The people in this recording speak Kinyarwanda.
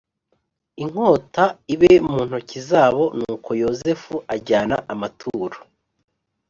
inkota ibe mu ntoki zaboNuko Yozefu ajyana amaturo